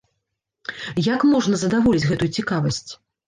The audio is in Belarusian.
Як можна задаволіць гэтую цікавасць?